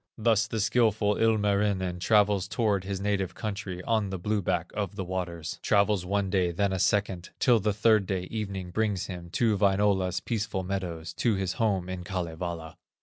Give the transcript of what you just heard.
Thus the skilful Ilmarinen Travels toward his native country, On the blue back of the waters, Travels one day, then a second, Till the third day evening brings him To Wainola's peaceful meadows, To his home in Kalevala.